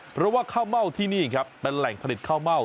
เพราะว่าข้าวเม่าที่นี่ครับเป็นแหล่งผลิตข้าวเม่า